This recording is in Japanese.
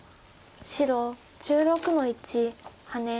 白１６の一ハネ。